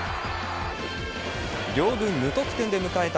両軍無得点で迎えた